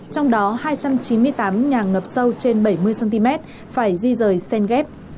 trong đó hai trăm chín mươi tám nhà ngập sâu trên bảy mươi cm phải di rời sen ghép